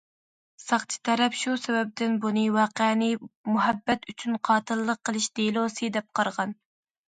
ساقچى تەرەپ شۇ سەۋەبتىن بۇنى ۋەقەنى مۇھەببەت ئۈچۈن قاتىللىق قىلىش دېلوسى دەپ قارىغان.